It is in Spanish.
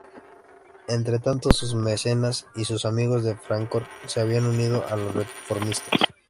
Entretanto, sus mecenas y sus amigos de Fráncfort se habían unido a los reformistas.